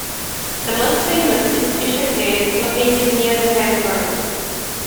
The most famous is Fisher Cave, located near the campgrounds.